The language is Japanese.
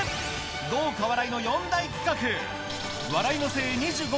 豪華笑いの４大企画